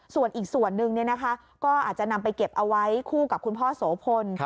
ส่วนอีกส่วนหนึ่งก็อาจจะนำไปเก็บเอาไว้คู่กับคุณพ่อโสพล